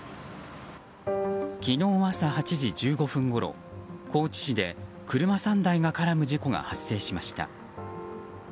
昨日朝８時１５分ごろ高知市で車３台が絡む事故が発生しました。